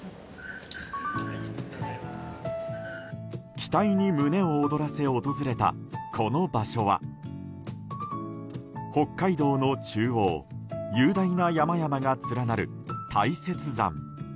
期待に胸を躍らせ訪れたこの場所は北海道の中央雄大な山々が連なる大雪山。